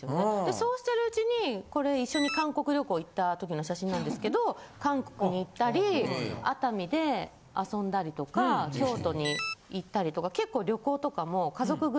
そうしてるうちにこれ一緒に韓国旅行行ったときの写真なんですけど韓国に行ったり熱海で遊んだりとか京都に行ったりとか結構。